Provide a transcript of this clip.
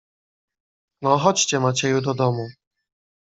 "No, chodźcie Macieju do domu."